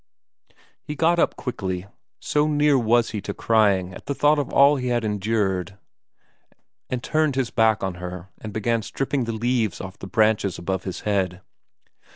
He got up quickly, so near was he to crying at the thought of it, at the thought of all he had endured, and turned his back on her and began stripping the leaves off the branches above his head.